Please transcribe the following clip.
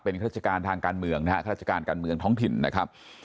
ข้าราชการทางการเมืองนะฮะข้าราชการการเมืองท้องถิ่นนะครับ